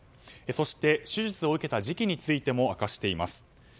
そして、手術を受けた時期についても明かしています。